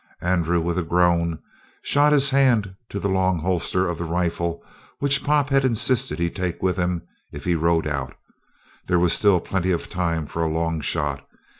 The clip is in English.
Andrew, with a groan, shot his hand to the long holster of the rifle which Pop had insisted that he take with him if he rode out. There was still plenty of time for a long shot.